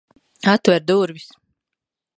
Atver durvis!